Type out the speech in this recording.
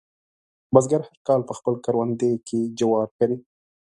بزګر هر کال په خپل کروندې کې جوار کري.